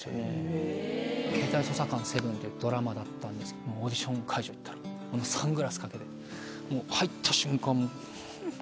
っていうドラマだったんですけどオーディション会場行ったらサングラスかけて入った瞬間。